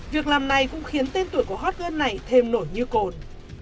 việc làm này cũng khiến tên tuổi của hot girl này thêm nổi như cồn